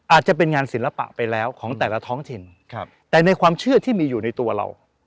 อาจจะเป็นงานศิลปะไปแล้วของแต่ละท้องถิ่นแต่ในความเชื่อที่มีอยู่ในตัวเรา